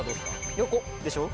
横？でしょ？